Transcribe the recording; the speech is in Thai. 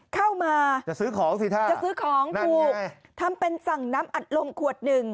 เข้ามาจะซื้อของสิถ้าจะซื้อของถูกทำเป็นสั่งน้ำอัดลมขวดหนึ่ง